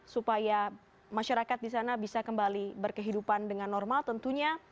supaya masyarakat di sana bisa kembali berkehidupan dengan normal tentunya